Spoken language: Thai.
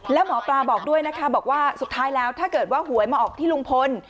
แล้วหมอปลาบอกด้วยนะคะบอกว่าสุดท้ายแล้วถ้าเกิดว่าหวยมาออกที่ลุงพล